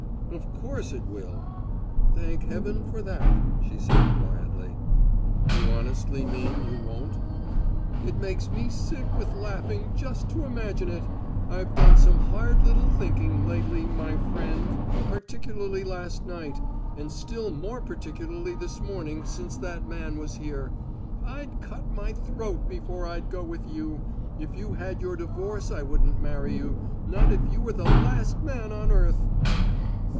"Of course it will." "Thank heaven for that," she said quietly. "You honestly mean you won't?" "It makes me sick with laughing just to imagine it! I've done some hard little thinking, lately, my friend particularly last night, and still more particularly this morning since that man was here. I'd cut my throat before I'd go with you. If you had your divorce I wouldn't marry you not if you were the last man on earth!"